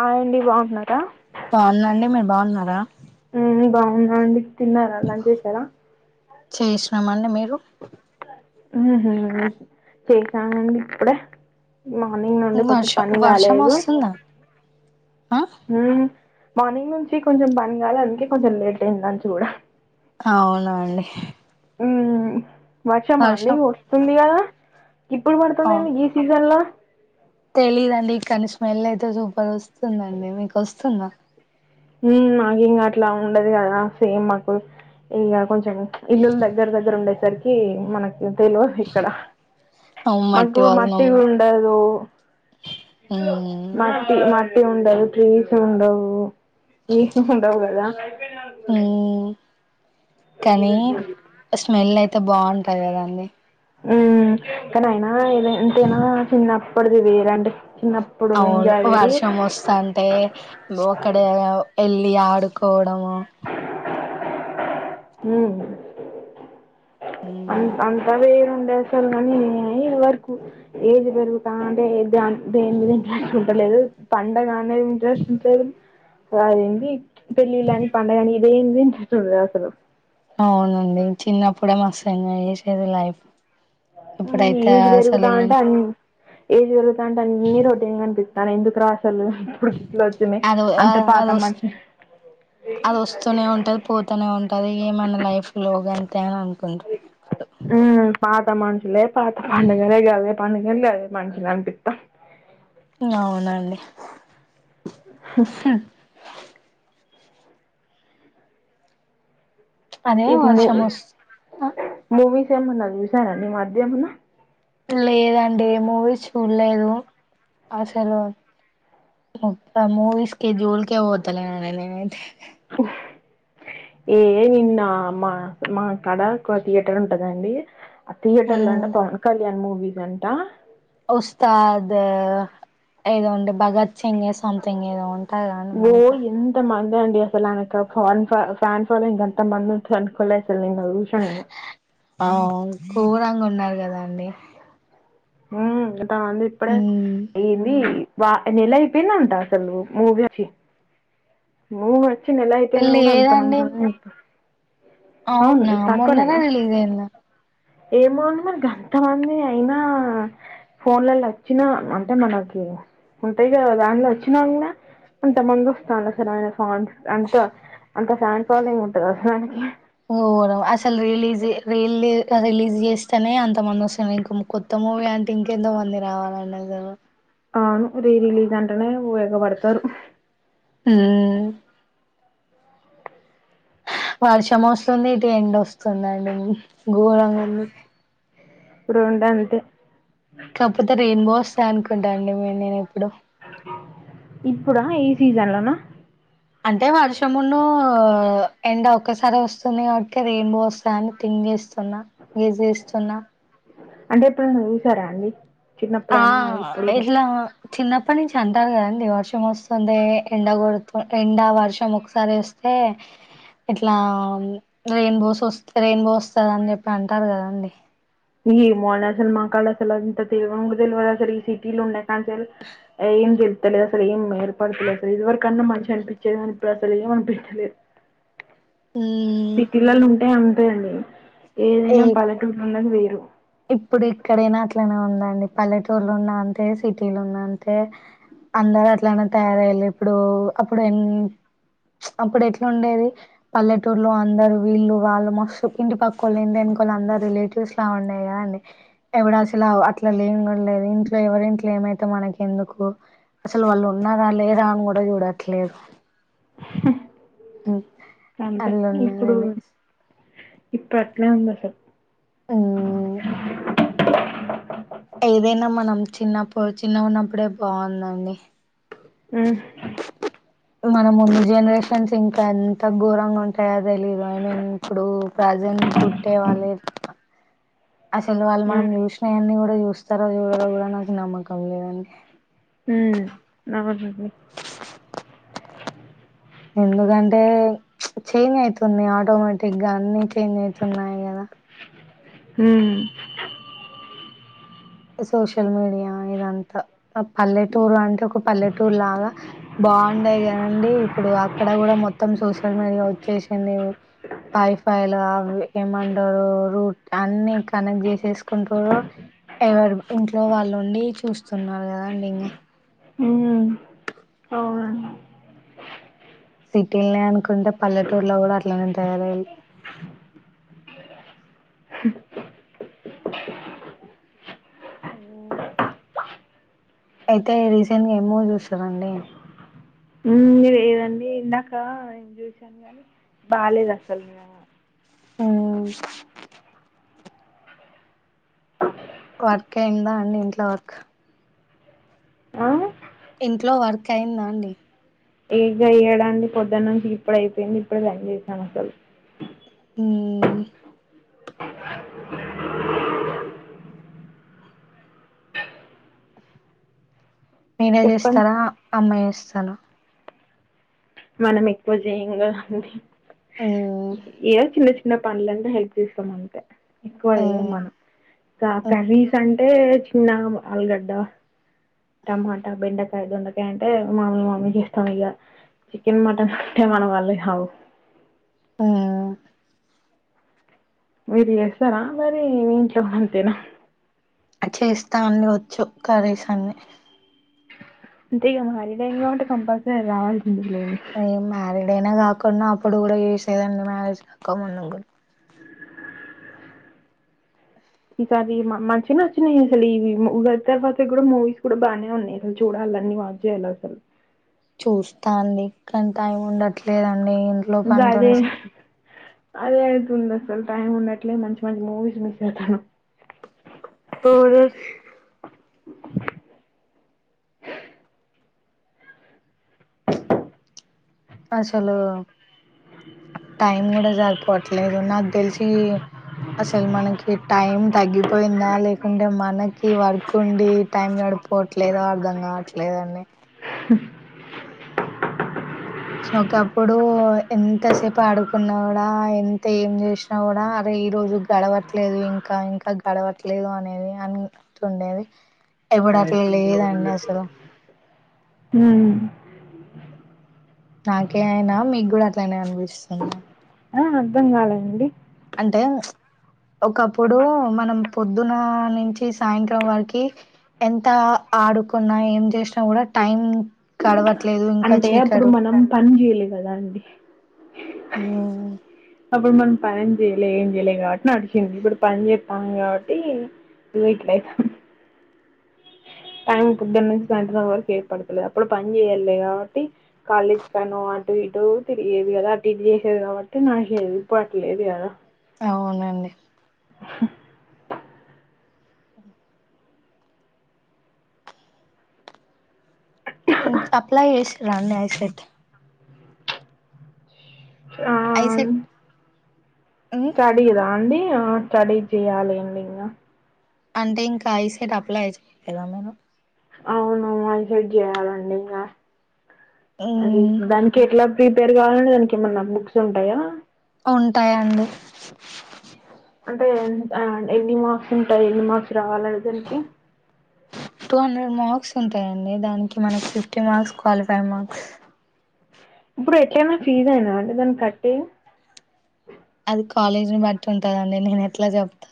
ఆయ్ అండి బాగున్నార బాగున్నాన్డి మీరు బాగున్నార ఉమ్ బాగున్నా అండి తిన్నార లంచ్ చేసారా చేసినాం అండి మీరు చేసాండి ఇప్పుడే మార్నింగ్ నుండి కొంచెం వర్షం పని వర్షం కాలేదు వస్తుందా ఆ మార్నింగ్ నుంచి కొంచెం పని కాల అందుకే కొంచెం లేట్ అయింది దంచి కూడా అవునా అండి ఉ వర్షం వస్తుంది కదా ఇప్పుడు ఆ పడుతుందండి ఈ సీజన్ లో తెలీదండి ఇ కానీ స్మెల్ అయితే సూపర్ వస్తుందండి మీకు వస్తుందా మాకు ఇంకా అట్లా ఉండదు కదా సేమ్ మాకు ఇక కొంచెం ఇల్లుల దగ్గర దగ్గర ఉండేసరికి మనకి తెలియ ఇక్కడ అవును, మ మట్టి వాసనము మటిగా ఉండదో ఉమ్ మటి మటిి ఉండదు ట్రీస్ ఉండవు ఏ ఉండవు కదా ఉమ్ కానీ స్మెల్ అయితే బాగుంటాది కదాండి ఉ కానీ అయినా ఏదంతేనా చిన్నప్పడుది వేరంటే అవును వర్షం వస్త అంటే అక్కడ వెళ్ళ అీ ఆడుకోవడము హ అంత అంతే ఉండేసలు కానీ వరకు ఏది పెరుగుత అంటే ఎనిమింట దు పంట కా ఇంట్రెస్ట్ ఉ అదేంటి పెళ్ళిళ్ళు కాని పండగని ఇదేందింటండ అసలు అవునండి చిన్నప్పుడే మస్తుంగా చేసేది లైఫ్ ఇప్పుడైతే ఏది పెరుగుతా అసలు ఈ అంటే అన్ని ఏది పెరుగుతా అంటే అన్నిీ రొటీన్ ఏం కనిపిస్తా తను ఎందుకు రాసలేదు ఇప్పుడుకి ఇట్లా వచ్చినందియి అది అంత పాత అది వస్ మని అది వస్తూనే ఉంటది పోతూనే ఉంటది ఏ మన లైఫ్ లోగాంట దేనా అనుకుంట పాత మనుషులే పాత పండుగ గ అదే పండుగ లే అదే మనుషులనిపిిత్త అవునండి అదే వర్షం వస్ మూవీస్ నాని మాధ్యమన్నా లేదండి ఏ మూవీ చూడలేదు అసలు మూవీస్ [unintelligible] ఏ నిన్న మా మాక్కడ ఒక థియేటర్ ఉంటదండి ఆ థియేటర్ లో అంట పవన్ కళ్యాణ్ మూవీస్ అంట ఉస్తస్తాద్ ఏద ఉంట భగత్ సింగ్ సథంగ్ ఏద ఉంట ఓ ఎంత మ డి సన్ ఫన్ ఫ అంతం అనుకులే సార్ ర్యూషన్ గరం ఉన్నారు కదాండి ఇప్పుడే అయ్యంది వా నెల అయిపోయినా ఉంటా అసలు మూవ వచ్చి మూవీ వచి మంత్ అయితేనా కూడా అంత నమ్ జ ఎంత అవు నా మొన్ననే వెలిదేన్నా ఏమోంది మరి ఎంతమంది అయినా ఫోన్లలో వచ్చినా అంటే మనకి ఉంతగా దాంట్లో వచ్చినాన అంత మంది వస్తాను అసలుైన ఫన్ అంత అంత ఫ్యాన్ ఫాలోయింగ్ ఉంటంది అసలునికి ఓ అసలు రిలీజ్ ర రిలీజ్ చేస్తేనే అంత మంది వస్తున్నారు ఇంక కొత్తం మూవీ అంటే ఇంకెంతో మంది రావాలనే అవును రీరిలీజంటనే ఉపయోగపడతారు హ వర్షం వస్తుంది ఇటు ఎండ్ వస్తుందండి ఘోరంగా ఉంది రొండంతే కాకపోతే రెయిన్ బో అస్త అనుకుంటా అండి నేను ఎప్పుడు ఇప్పుడా ఈ సీజన్ ల నా అంటే వర్షమున్ను ఎండ ఒక్కసారి వస్తుంది కాబట్టి రెయిన్బో వస్తదని థింక్ చేస్ వున్నా గజ్ జెస్తున్నా అంటే ఎప్పుడన్న చూసారా అండి ఆ చిన్నప్పుడైనా ఇప్పుడు ఇలా ఎట్లా చిన్నప్పటి నుంచి అంటారు కదండి వర్షం వస్తుంది ఎండ కొడుతు ఎండ వర్షం ఒకసారి వస్తే టే ఇట్లా రెయిన్ బోస్ వస్త రెయిన్ బో వస్తద అని చెప్పి అంటారు కదండి ఏమో అండీ అసలు మాకసలు అంత తెల్వన్ కూడా తెల్వద్ అసలు ఈ సిటీల ఉన్న కాంచీ అసలు ఏం జలుతలేదు అసలు ఏం ఏర్పడత లేదు అసలు ఇదివరకన్న మంచిగ అనిపించేది కానీ అసలు ఇపుడు ఏం అనిపిస్తలేదు మ్మ్ సిటిలల ఉంటే అంతే అండీ ఏ ఏదైనా పల్లెటూరు ఉన్నది వేరు ఇప్పుడు ఇక్కడైనా అట్లనే ఉందండి పల్లెటూరులో ఉన్నా అంతే సిటీలు ఉన్నా అంతే అందరు అట్లనే తయారయ్యాలి ఇప్పుడు అప్పుడు ఎం అప్పుడు ఎట్ల ఉండేది పల్లెటూరులో అందరు వీళ్ళు వాళ్ళు మస్తు ఇంటి పక్కొల్లు ఏందా గాలందరు రిలేటివ్స్లా ఉండే ఏం అండి ఎవడు అసలు అట్లా లేని కూడా లేదు ఇంట్లో ఎవరి ఇంట్లో ఏమైతే మనకి ఎందుకు అసలు వాళ్ళు ఉన్నారా లేదా అని కూడా చూడట్లేదు ఓ అంతే ఇప్పుడు ఇప్పట్లా ఏంద్ అసల్ మ్మ్ ఏదైనా మనం చిన్నప్పుడు చిన్న ఉన్నప్పుడే బాగుందండి ఊ మన ముందు జనరేషన్స్ ఇంకా ఎంత ఘోరంగా ఉంటాయో తెలీదు ఐ మీన్ ఇప్పుడు ప్ర ప్రజెట్ పుట్టే వాల్ లేర్ అసలు వాళ్ళు మనం చూసినయన్ని కూడా చూస్తారో చూడ కూడా నాకు నమ్మకం లేదండి ఊ నాకొద్ బుజ్జి ఎందుకంటే చేంజ్ అయితుంది ఆటోమేటిక్గా అన్ని చేంజ్ అయితున్నాయి కదా ఊ సోషల్ మీడియా ఇదంతా పల్లెటూరు అంటే ఒక పల్లెటూర్ లాగా బాగుండదు కదండి ఇప్పుడు అక్కడ కూడా మొత్తం సోషల్ మీడియా వచ్చేసిడి వైఫై లు అవి ఏమంటారు రూట్ అన్ని కనెక్ట్ చేసేసుకుంటురు ఎవరు ఇంట్లో వాళ్ళుండి చూస్తున్నారు కదండి ఇంకా మ్మ్. అవునండి సిటీలనే అనుకుంటే పల్లెటూరులో కూడా అట్లనేే వుంటయ్ రయ్ ఊ అయితే రీసెంట్ గా ఏం మూవీ ఏమో చూస్తారండి నేన్ చూసాను గాని బాలేదు అసలు నిజం గా ఊ వర్క్ అయిందా అండి ఇంట్లో వర్క్ ఆ? ఇంట్లో వర్క్ అయిందా అండి ఇగ్గ ఏడ అండీ పొద్దున్న నుంచి ఇప్పుడ అయిపోయింది ఇప్పుడు పని చేశాం అసలు ఊ నేనే చెప్పండి చేస్తారా అమ్మా చేస్తారా మనం ఎక్కువ జయంగదండి మ్మ్ ఏదో చిన్న చిన్న న్న పనులంటే హెల్ప్ చేస్తాం అంతే ఎక్కువ జేయం మ్మ్ మనం గా మ్మ్ కర్రీస్ అంటే ఏ చిన్నాం ఆల్గడ్డ టమాటా బెండకాయ దొండకాయ అంటే మా మామీకి ఇష్టం ఇగ చికెన్ మటన్ అంటే మన వాళ్ళ గావు ఆ మీరు చేస్తారా మరి మీ ఇంట్లో అంతేనా చేస్తా అండి వచ్చు కర్రీస్ అన్ని అంతే ఇక హార్రీ టైంలో ఉంటే కంపల్సరీ రావాల్సింది లే నేనా కాకుండా అప్పుడు కూడా చేసేదాండి మ్యారేజ్ కాక ముందు ఈసారి మంచిగనే వచ్చినాయి అసలు ఈవి ము ఉగాది తర్వాత కూడా మూవీస్ కూడా బానే ఉన్నాయి అసలు చూడాలి లన్ని వాచ్ జేయలసలు చూస్తా అండి కానీ టైం ఉండట్లేదండి ఇంట్లో ఇంకా అదే పనితోనే స అదే అయితుంది అసలు టైం ఉండట్లే మంచి మంచి మూవీస్ మిస్ అయితున్నం అవునండి అసలు టైం కూడా సరిపోవట్లేదు నాకు తెలిసి అసలు మనకి టైం తగ్గిపోయిందా లేకుంటే మనకి వర్క్ ఉండి టైం గడు పోవట్లేదు అర్ధం కావట్లేదండి ఒక అప్పుడు ఎంతసేపు ఆడుకున్నాడా ఎంత ఏం జేష్ణ కూడా అర ఈ రోజు గడవట్లేదు ఇంకా ఇంకా గడవట్లేదు అనేది అన్నట్టు ఉండేది ఇప్పుడు అట్లా లేదండి అసలు ఉమ్. నాకే అయినా మీకు కూడా అట్లనే అనిపిస్తుందా ఆ అర్థం కాలేదండి అంటే ఒకప్పుడు మనం పొద్దున నుంచి సాయంత్రం వరకి ఎంత ఆడుకున్నా ఏం చేసినా కూడా టైం గడవట్లే అంటే అప్పుడు మనం పని చేయాలె కదా అండి ఉమ్, అప్పుడ్ మనం పన్ చేయలే ఏం చేయలే కాబట్టి నడిచంది ఇప్పుడు పని చేస్తాం కాబట్టి ఇదో ఇట్లయితాంది టైం పొద్దున్నుంచి సాయంత్రం వరకు ఏపడుతులేదు అప్పుడు పని చేయలే కాబట్టి కాలి పెనో ఇటు ఏటో తిరిగేది కదా అటు ఇటు చేసేది కాబట్టి నా హెల్ప్ ఆటలేదు గదా అవునండి అప్లై చేసిర్రా అండి ఐసెట్ ఐసెట్ ఉమ్, స్టడీదా అండి స్టడీ చెయ్యాలి అండి ఇంకా అంటే ఇంకా ఐసెట్ అప్లై చేయలేదా మీరు అవును అది సెట్ చేయాలండి ఇంకా అది మ్మ్ దానికి ఎట్లా ప్రిపేర్ కావాలంటే దానికి ఏమన్నా బుక్స్ ఉంటాయా ఉంటాయండి అంటే ఎన్ని మార్స్ ఉంటాయి ఎన్ని మార్ రావాలీగదా దానికి వస్తుంటాయండి దానికి మనకి ఫిఫ్టీ మార్క్స్ క్వాలిఫై మార్క్స్ ఇప్పుడు ఎట్లయినా ఫీజ్ అయినా అంటే దాన్ని కట్టి అది కాలేజీ ని బట్టి ఉంటదండి నేను ఎట్లా చెప్తా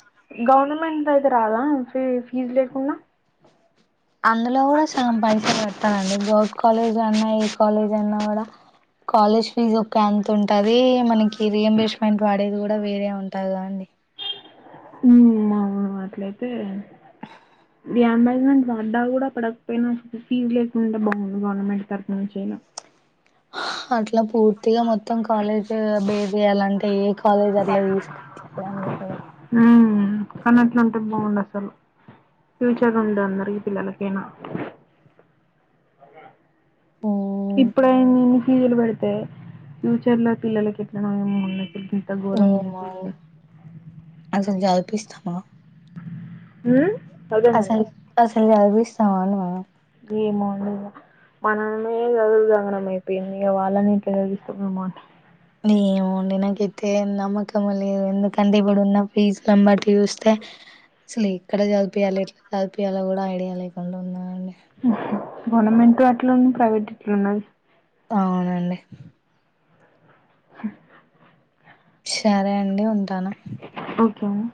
గవర్నమెంటదైతే రాదా ఫ ఫీజు లేకుండా అందులో కూడా సగం పైసలు కట్టాలండి గర్ల్స్ కాలేజ్ అన్నా ఈ కాలేజ్ అన్నా కూడా కాలేజ్ ఫీజ్ ఒక ఎంత ఉంటది మనకి రియంబర్స్మెంట్ వాడేది కూడా వేరే ఉంటాది కదండీ అ మ్మ్ అవును అట్లయితే రియాంబర్జమెంట్ వద్ద కూడా పడకపోయినా ఫీజ్ లేకుండా బాగుంది గవర్నమెంట్ తరఫు నుంచినా అ అట్లా పూర్తిగా మొత్తం కాలేజ్ బేస్ చేయాలంటే ఏ కాలేజ్ అట్లా తీసుకోవట్లే అన్నీ కూడ హ్మ్. కానీ అట్లుంటే బాగుండు అసలు ఫ్యూచర్ ఉండు అందరికి ఈ పిల్లలకేనా ఓ ఇప్పుడైమి ఫీజలు పెడతాయి ఫ్యూచర్ లో పిల్లలకి ఎట్లాన ఏమ ఉండచ్చ పెద్ద గోరం ఏమో అండి [unintelligible] [unintelligible] అ అసలు అసలు [unintelligible] ఏమోండి ఇగ మనమే [unintelligible] ఏమో నాకైతే నమ్మకం లే ఎందుకంటే ఇప్పుడున్న ఫీజ్లం బట్టి చూస్తే అసలు ఎక్కడ చదుపియాలి ఎట్లా చదుపియాాలలో కూడా ఐడియా లేకుండా ఉన్నాండి గవర్నమెంట్ అట్లున్న ప్రైవేట్ ఇట్లున్నది అవునండి సరే అండి ఉంటాను ఓకే అండి.